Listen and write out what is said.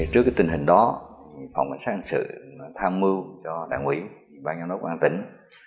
trước cái tình hình đó phòng cảnh sát hành sự tham mưu cho đảng ủy bác nhóm đốc quán tỉnh